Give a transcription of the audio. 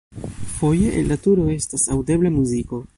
Foje el la turo estas aŭdebla muziko.